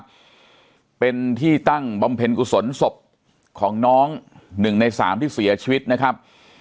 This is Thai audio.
ครับเป็นที่ตั้งบำเพ็ญกุศลศพของน้องหนึ่งในสามที่เสียชีวิตนะครับ